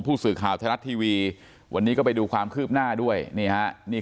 ผู้สื่อข่าวไทยรัฐทีวีวันนี้ก็ไปดูความคืบหน้าด้วยนี่ฮะนี่